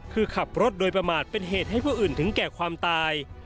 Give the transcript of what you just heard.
คือขับรถโดยประมาทเป็นเหตุให้ผู้อื่นถึงแก่ความตาย